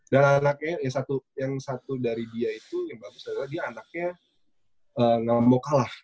dan anaknya yang satu dari dia itu yang bagus adalah dia anaknya gak mau kalah